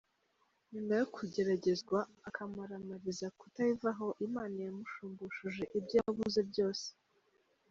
Nyuma yo kugeragezwa, akamaramariza kutayivaho, Imana yamushumbushije ibyo yabuze byose.